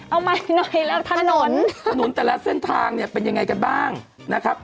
เอาใหม่หน่อยแล้วถนนถนนแต่ละเส้นทางเนี่ยเป็นยังไงกันบ้างนะครับ